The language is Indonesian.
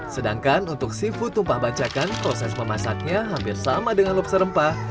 sedangkan untuk seafood tumpah bancakan proses memasaknya hampir sama dengan lobster rempah